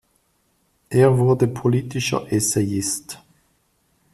Er wurde politischer Essayist.